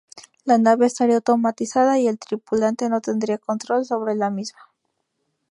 La nave estaría automatizada y el tripulante no tendría control sobre la misma.